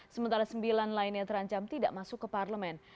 sementara sembilan lainnya terancam tidak masuk ke parlemen